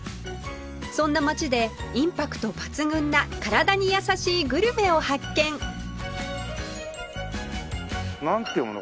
そんな街でインパクト抜群な体に優しいグルメを発見！なんて読むの？